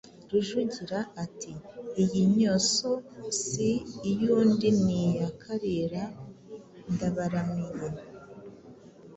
Rujugira, ati «Iyi nyoso si iy'undi ni iya Kalira !» Ndabaramiye,